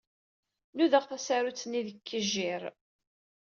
Nudaɣ tasarut-nni deg yikejjir.